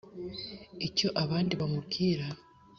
icyo abandi bamubwira